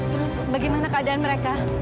terus bagaimana keadaan mereka